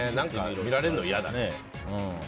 見られるのは嫌だ。